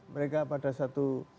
mereka pada satu